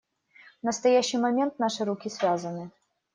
В настоящий момент наши руки связаны.